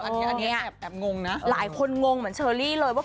อันนี้แอบงงนะหลายคนงงเหมือนเชอรี่เลยว่า